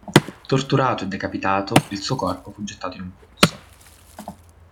Torturato e decapitato, il suo corpo fu gettato in un pozzo.